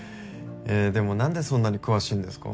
ええでもなんでそんなに詳しいんですか？